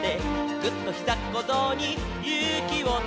「ぐっ！とひざっこぞうにゆうきをため」